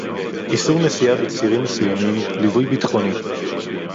איסור נסיעה בצירים מסוימים, ליווי ביטחוני